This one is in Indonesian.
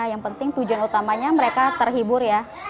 yang penting tujuan utamanya mereka terhibur ya